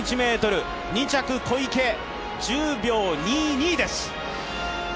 ２着小池、１０秒２２です。